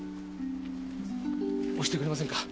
押してくれませんか？